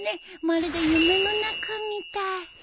まるで夢の中みたい。